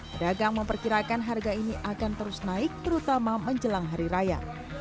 pedagang memperkirakan harga ini akan terus naik terutama menjelang hari raya